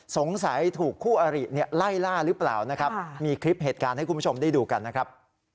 สงสัยถูกคู่อริไล่ล่าหรือเปล่านะครับมีคลิปเหตุการณ์ให้คุณผู้ชมได้ดูกันนะครับ